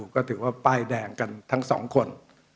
ก็ถือว่าป้ายแดงกันทั้งสองคน